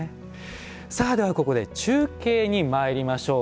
ではここで中継にまいりましょう。